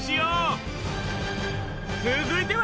続いては。